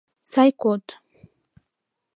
Сай код.